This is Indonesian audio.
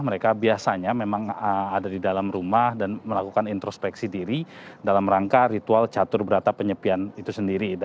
mereka biasanya memang ada di dalam rumah dan melakukan introspeksi diri dalam rangka ritual catur berata penyepian itu sendiri